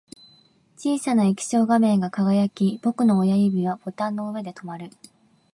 小さな液晶画面が輝き、僕の親指はボタンの上で止まる